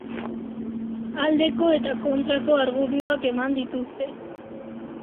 Aldeko eta kontrak argudioak eman dituzte.